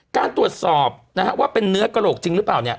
การตรวจสอบนะฮะว่าเป็นเนื้อกระโหลกจริงหรือเปล่าเนี่ย